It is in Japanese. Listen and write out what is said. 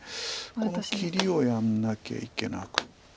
この切りをやらなきゃいけなくて。